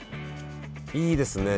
いいですね